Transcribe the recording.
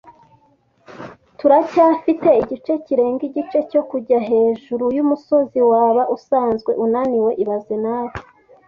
Turacyafite igice kirenga igice cyo kujya hejuru yumusozi. Waba usanzwe unaniwe ibaze nawe